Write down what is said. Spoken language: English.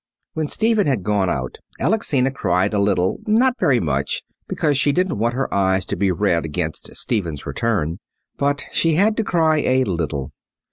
When Stephen had gone out Alexina cried a little, not very much, because she didn't want her eyes to be red against Stephen's return. But she had to cry a little.